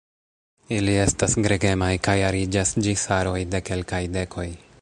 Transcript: Ili estas gregemaj kaj ariĝas ĝis aroj de kelkaj dekoj.